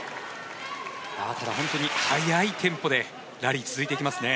本当に速いテンポでラリーが続いてきますね。